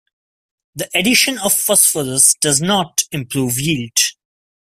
The addition of phosphorus does not improve yield.